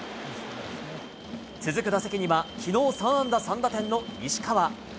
続く打席には、きのう３安打３打点の西川。